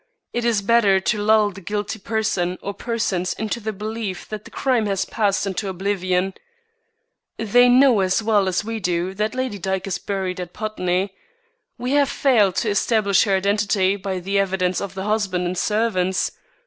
It is better to lull the guilty person or persons into the belief that the crime has passed into oblivion. They know as well as we do that Lady Dyke is buried at Putney. We have failed to establish her identity by the evidence of the husband and servants.